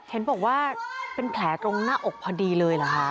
เห็นบอกว่าเป็นแผลตรงหน้าอกพอดีเลยเหรอคะ